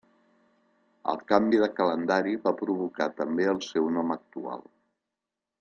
El canvi de calendari va provocar també el seu nom actual.